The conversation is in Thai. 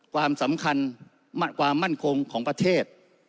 ความสำคัญความมั่นคงของประเทศ